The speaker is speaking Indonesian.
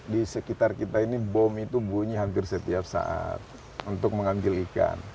di sekitar kita ini bom itu bunyi hampir setiap saat untuk mengambil ikan